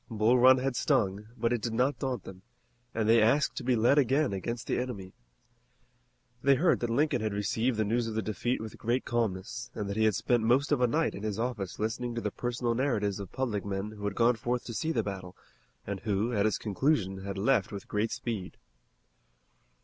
Bull Run had stung, but it did not daunt them and they asked to be led again against the enemy. They heard that Lincoln had received the news of the defeat with great calmness, and that he had spent most of a night in his office listening to the personal narratives of public men who had gone forth to see the battle, and who at its conclusion had left with great speed.